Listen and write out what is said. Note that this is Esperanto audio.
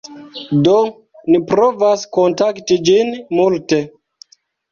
Do ni provas kontakti ĝin multe